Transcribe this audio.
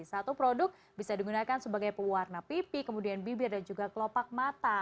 satu produk bisa digunakan sebagai pewarna pipi kemudian bibir dan juga kelopak mata